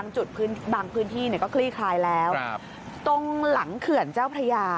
จุดบางพื้นที่เนี่ยก็คลีคลายแล้วครับตรงหลังเผื่อเจ้าพระยา